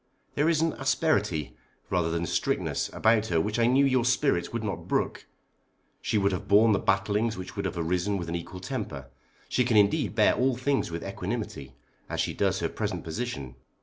There is an asperity, rather than strictness, about her which I knew your spirit would not brook. She would have borne the battlings which would have arisen with an equal temper. She can indeed bear all things with equanimity as she does her present position.